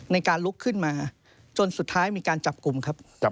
ในการลุกขึ้นมาจนสุดท้ายมีการจับกลุ่มครับ